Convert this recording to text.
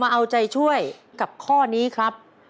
เอาใจช่วยกับข้อนี้ครับ